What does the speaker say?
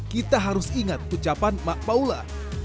kita harus ingat ucapan mak paula